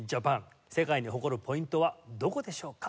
世界に誇るポイントはどこでしょうか？